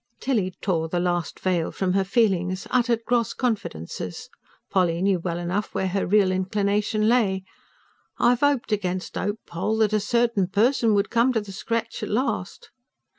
Tilly tore the last veil from her feelings, uttered gross confidences. Polly knew well enough where her real inclination lay. "I've hoped against hope, Poll, that a CERTAIN PERSON would come to the scratch at last."